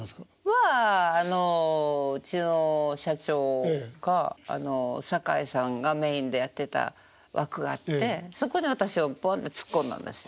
はうちの社長が堺さんがメインでやってた枠があってそこに私をボンって突っ込んだんです。